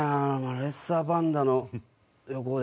レッサーパンダの横で。